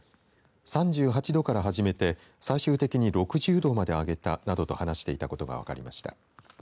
３８度から始めて最終的に６０度まで上げたなどと話していたことが分かりました。